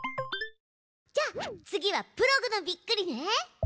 じゃあ次はプログの「びっくり」ね！